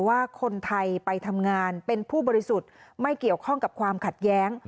ว่าคนไทยไปทำงานเป็นผู้บริสุทธิ์ไม่เกี่ยวข้องกับความขัดแย้ง